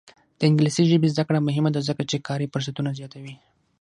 د انګلیسي ژبې زده کړه مهمه ده ځکه چې کاري فرصتونه زیاتوي.